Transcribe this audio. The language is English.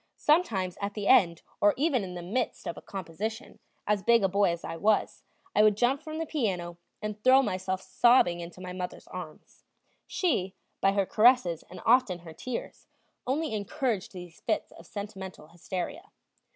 Sometimes at the end or even in the midst of a composition, as big a boy as I was, I would jump from the piano, and throw myself sobbing into my mother's arms. She, by her caresses and often her tears, only encouraged these fits of sentimental hysteria.